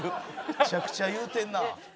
めちゃくちゃ言うてんな。